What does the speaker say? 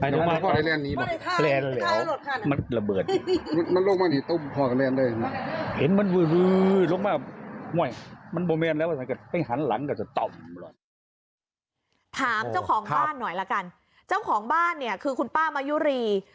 ถามเจ้าของบ้านหน่อยละกันเจ้าของบ้านเนี่ยคือคุณป้ามายุรี